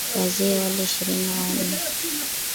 Wazee wale ishirini na wanne.